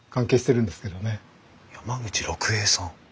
山口六平さん？